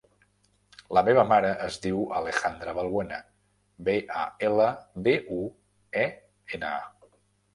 La meva mare es diu Alejandra Balbuena: be, a, ela, be, u, e, ena, a.